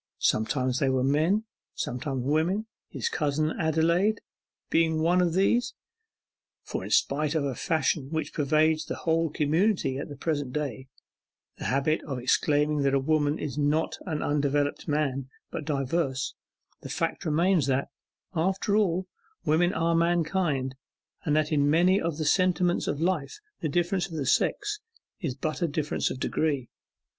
Sometimes they were men, sometimes women, his cousin Adelaide being one of these; for in spite of a fashion which pervades the whole community at the present day the habit of exclaiming that woman is not undeveloped man, but diverse, the fact remains that, after all, women are Mankind, and that in many of the sentiments of life the difference of sex is but a difference of degree.